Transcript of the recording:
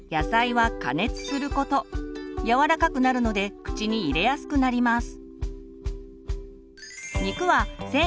柔らかくなるので口に入れやすくなります。